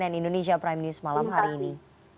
dan indonesia prime news malam hari ini